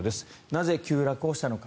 なぜ急落したのか。